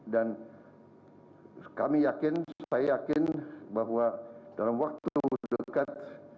dan kami yakin saya yakin bahwa dalam waktu dekat